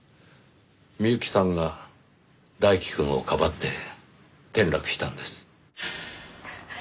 美由紀さんが大樹くんをかばって転落したんです。